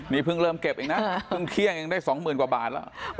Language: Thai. นี่เพิ่งเริ่มเก็บเองนะเพิ่งเที่ยงเองได้๒๐๐๐กว่าบาทแล้ว